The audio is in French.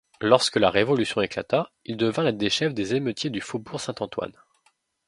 Lorsque la révolution éclata, il devint l’un des chefs des émeutiers du faubourg Saint-Antoine.